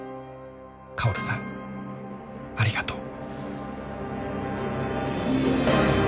「薫さんありがとう」